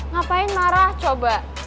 ngapain marah coba